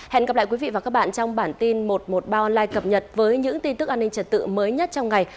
hẹn gặp lại quý vị và các bạn trong bản tin một trăm một mươi ba online cập nhật với những tin tức an ninh trật tự mới nhất trong ngày